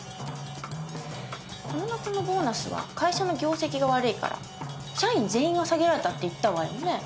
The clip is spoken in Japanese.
この夏のボーナスは会社の業績が悪いから社員全員が下げられたって言ったわよね。